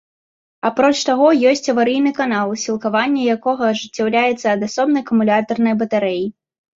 Апроч таго, ёсць аварыйны канал, сілкаванне якога ажыццяўляецца ад асобнай акумулятарнай батарэі.